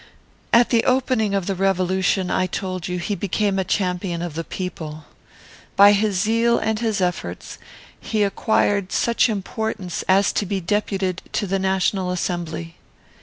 "At the opening of the Revolution, I told you, he became a champion of the people. By his zeal and his efforts he acquired such importance as to be deputed to the National Assembly.